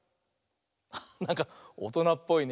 なんかおとなっぽいね。